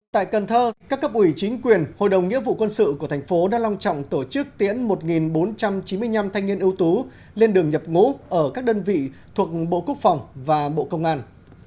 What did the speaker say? tại cần thơ các cấp ủy chính quyền hội đồng nghĩa vụ quân sự của thành phố đã long trọng tổ chức tiễn một bốn trăm chín mươi năm thanh niên ưu tú lên đường nhập ngũ ở các đơn vị thuộc bộ quốc phòng và bộ công an